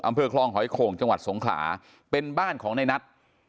อำเภอคลองหอยโข่งจังหวัดสงขลาเป็นบ้านของในนัท